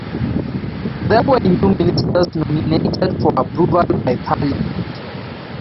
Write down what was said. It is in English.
There were new ministers nominated for approval by parliament.